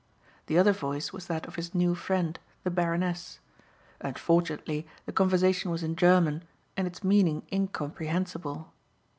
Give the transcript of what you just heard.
The other voice was that of his new friend, the Baroness. Unfortunately the conversation was in German and its meaning incomprehensible.